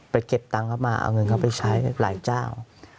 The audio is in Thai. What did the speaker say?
เก็บตังค์เขามาเอาเงินเข้าไปใช้หลายเจ้า